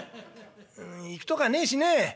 「う行くとかねえしね。